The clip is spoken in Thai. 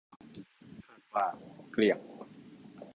คาดว่า เกลี้ยง